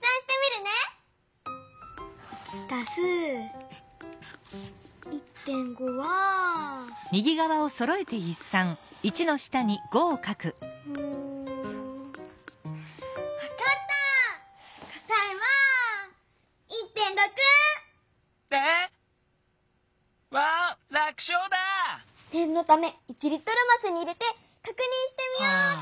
ねんのため１リットルますに入れてかくにんしてみようっと！